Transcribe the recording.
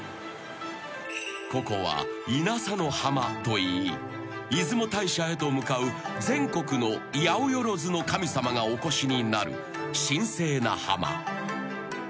［ここは稲佐の浜といい出雲大社へと向かう全国のやおよろずの神様がお越しになる神聖な浜］